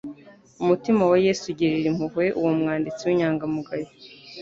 Umutima wa Yesu ugirira impuhwe uwo mwanditsi w'inyangamugayo,